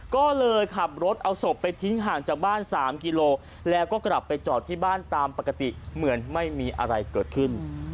ก็เลยขับรถเอาศพไปทิ้งห่างจากบ้าน๓กิโลแล้วก็กลับไปจอดที่บ้านตามปกติเหมือนไม่มีอะไรเกิดขึ้น